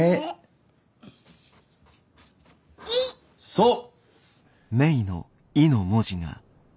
そう！